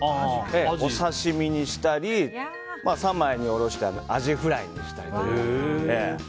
お刺し身にしたり三枚に下ろしてアジフライにしたり。